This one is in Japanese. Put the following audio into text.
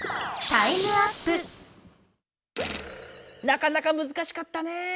なかなかむずかしかったね。